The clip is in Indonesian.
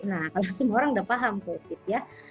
nah kalau semua orang udah paham covid ya